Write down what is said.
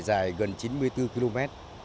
dài gần chín mươi bốn km